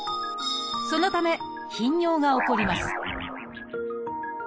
そのため頻尿が起こります